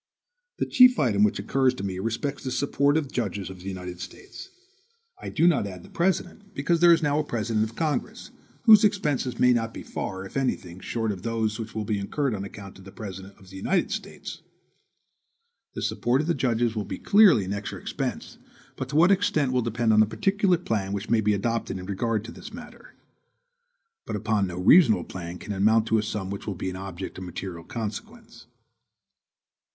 The chief item which occurs to me respects the support of the judges of the United States. I do not add the President, because there is now a president of Congress, whose expenses may not be far, if any thing, short of those which will be incurred on account of the President of the United States. The support of the judges will clearly be an extra expense, but to what extent will depend on the particular plan which may be adopted in regard to this matter. But upon no reasonable plan can it amount to a sum which will be an object of material consequence.